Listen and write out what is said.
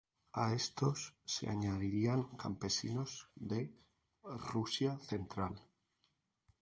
A estos se añadirían campesinos de Rusia central.